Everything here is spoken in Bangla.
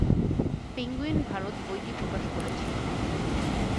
পেঙ্গুইন ভারত বইটি প্রকাশ করেছিল।